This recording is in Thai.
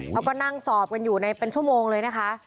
เขาก็นั่งสอบกันอยู่ในเป็นชั่วโมงเลยนะคะ